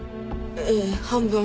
ええ半分。